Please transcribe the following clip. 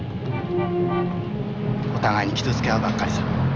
お互いに傷つけ合うばっかりさ。